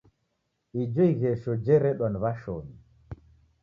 Ijo ighesho jeredwa ni w'ashomi.